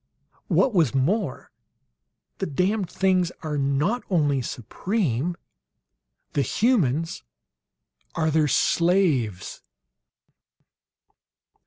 What was more "The damned things are not only supreme; THE HUMANS ARE THEIR SLAVES!"